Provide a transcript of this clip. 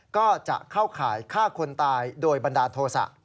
ก็จะเข้าข่ายฆ่าคนตายโดยบันดาลโทษะ